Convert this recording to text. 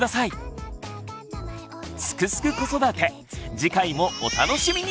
次回もお楽しみに！